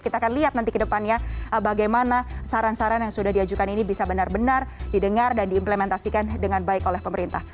kita akan lihat nanti ke depannya bagaimana saran saran yang sudah diajukan ini bisa benar benar didengar dan diimplementasikan dengan baik oleh pemerintah